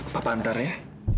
papa antar ya